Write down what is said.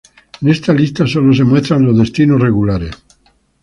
En esta lista solo se muestran los destinos regulares.